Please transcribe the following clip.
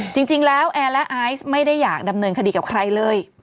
จริงแล้วแอร์และไอซ์ไม่ได้อยากดำเนินคดีกับใครเลย